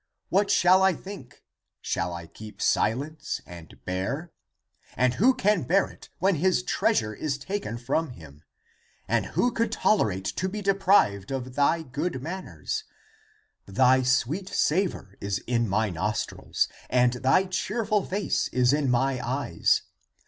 What shall I think? Shall I keep silence and bear ? And who can bear it when his treasure is taken from him? And who could tolerate to be deprived of thy good manners? Thy sweet savor is in my nostrils and thy cheerful face is in my eyes.